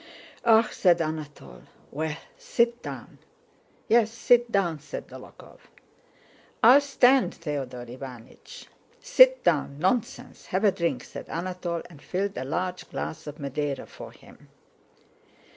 "Ah!" said Anatole. "Well, sit down." "Yes, sit down!" said Dólokhov. "I'll stand, Theodore Iványch." "Sit down; nonsense! Have a drink!" said Anatole, and filled a large glass of Madeira for him.